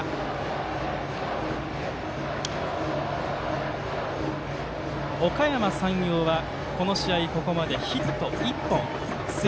おかやま山陽は、この試合ここまでヒット１本。